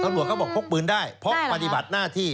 ตำรวจเขาบอกพกปืนได้เพราะปฏิบัติหน้าที่